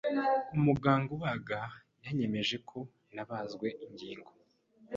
Umuganga ubaga yanyemeje ko nabazwe ingingo.